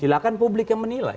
silahkan publik yang menilai